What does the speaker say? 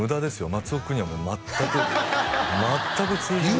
松尾君には全く全く通じないです